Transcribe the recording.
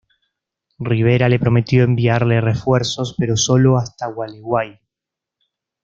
Rivera le prometió enviarle refuerzos, pero sólo hasta Gualeguay.